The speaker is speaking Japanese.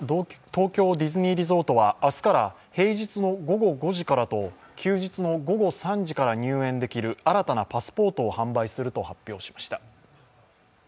東京ディズニーリゾートは明日から平日の午後５時からと休日の午後３時から入園できる新たなパスポートを販売すると発表しました。